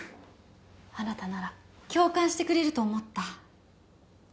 あなたなら共感してくれると思った。